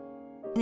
え？